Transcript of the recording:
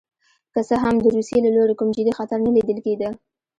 که څه هم د روسیې له لوري کوم جدي خطر نه لیدل کېده.